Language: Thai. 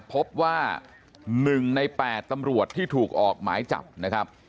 พบว่า๑ใน๘ตำรวจที่ถูกออกหมายจับนะครับ